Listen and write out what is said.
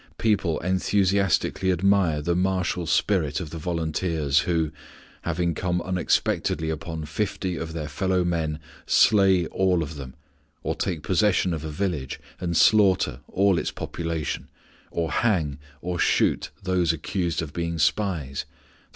People enthusiastically admire the martial spirit of the volunteers who, having come unexpectedly upon fifty of their fellow men, slay all of them, or take possession of a village and slaughter all its population, or hang or shoot those accused of being spies _i.